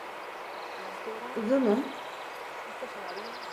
Uzanın…